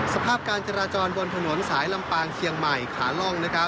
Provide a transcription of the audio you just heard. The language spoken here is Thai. สภาพการจราจรบนถนนสายลำปางเชียงใหม่ขาล่อง